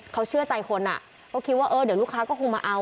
เขาเชื่อใจคนอ่ะก็คิดว่าเออเดี๋ยวลูกค้าก็คงมาเอา